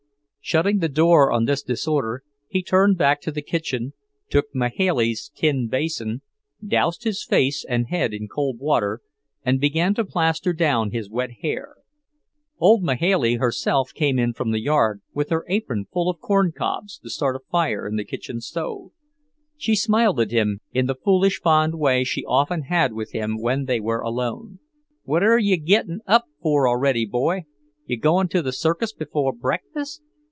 Shutting the door on this disorder, he turned back to the kitchen, took Mahailey's tin basin, doused his face and head in cold water, and began to plaster down his wet hair. Old Mahailey herself came in from the yard, with her apron full of corn cobs to start a fire in the kitchen stove. She smiled at him in the foolish fond way she often had with him when they were alone. "What air you gittin' up for a ready, boy? You goin' to the circus before breakfast?